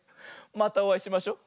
またおあいしましょ。